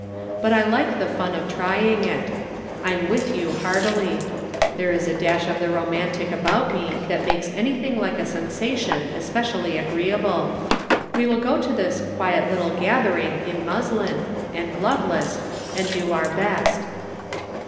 But I like the fun of trying it. I'm with you heartily. There is a dash of the ro mantic about me that makes anything like a sensation especially agreeable. We will go to this 'quiet little gathering' in muslin, and gloveless, and do our best."